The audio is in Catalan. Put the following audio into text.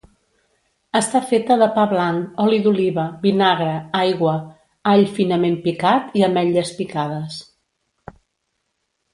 Està feta de pa blanc, oli d'oliva, vinagre, aigua, all finament picat i ametlles picades.